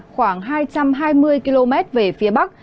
khoảng hai trăm hai mươi km về phía bắc